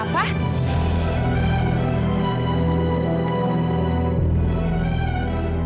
kalau aku nggak boleh